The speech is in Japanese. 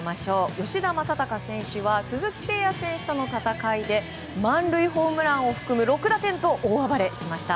吉田正尚選手は鈴木誠也選手との戦いで満塁ホームランを含む６打点と大暴れしました。